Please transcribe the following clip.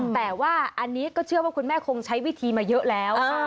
แต่ว่าอันนี้ก็เชื่อว่าคุณแม่คงใช้วิธีมาเยอะแล้ว